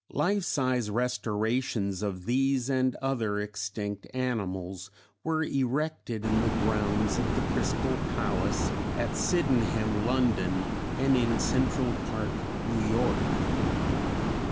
Life size restorations of these and other extinct animals were erected in the grounds of the Crystal Palace at Sydenham, London, and in Central Park, New York.